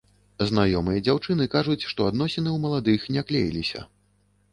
Знаёмыя дзяўчыны кажуць, што адносіны ў маладых не клеіліся.